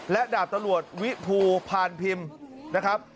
และดาบตำรวจวิภูพานพิมพ์นะครับ